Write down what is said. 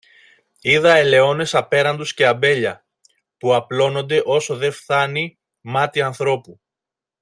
είδα ελαιώνες απέραντους και αμπέλια, που απλώνονται όσο δε φθάνει μάτι ανθρώπου.